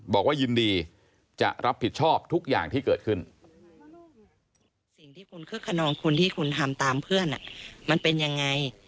บอกว่ายินดีจะรับผิดชอบทุกอย่างที่เกิดขึ้น